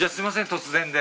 突然で。